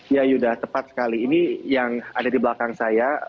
ya yuda tepat sekali ini yang ada di belakang saya